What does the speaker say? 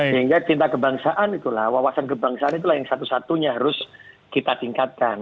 sehingga cinta kebangsaan itulah wawasan kebangsaan itulah yang satu satunya harus kita tingkatkan